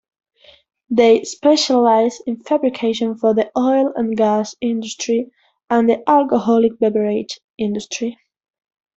They specialize in fabrication for the oil and gas industry and the alcoholic-beverage industry.